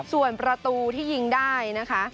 ส่วนประตูที่ยิงได้นะคะ